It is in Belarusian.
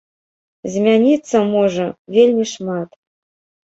Змяніцца можа вельмі шмат.